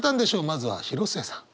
まずは広末さん。